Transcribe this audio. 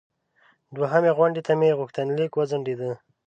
دوهمې غونډې ته مې غوښتنلیک وځنډیده.